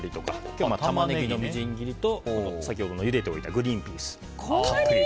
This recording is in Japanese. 今日はタマネギのみじん切りと先ほどのゆでておいたグリーンピースを。